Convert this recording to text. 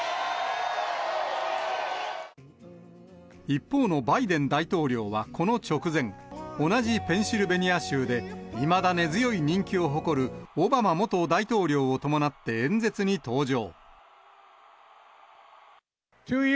一方のバイデン大統領はこの直前、同じペンシルベニア州でいまだ根強い人気を誇るオバマ元大統領を伴って演説に登場。